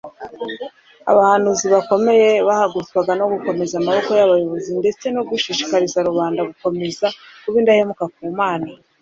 abahanuzi bakomeye bahagurutswaga no gukomeza amaboko y'abayobozi ndetse no gushishikariza rubanda gukomeza kuba indahemuka ku mana